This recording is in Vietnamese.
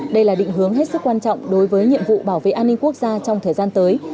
đây là định hướng hết sức quan trọng đối với nhiệm vụ bảo vệ an ninh quốc gia trong thời gian tới